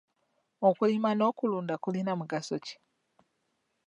Okulima n'okulunda kulina mugaso ki?